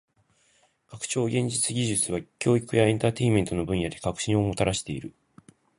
拡張現実技術は教育やエンターテインメントの分野で革新をもたらしている。